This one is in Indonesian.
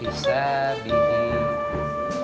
bicara sama suha